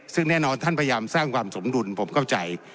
ซึ่งแน่นอนท่านพยายามสร้างความสมดุลผมเข้าใจ